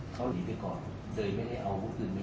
ได้เคยแจ้งข้อมูลเร็วมา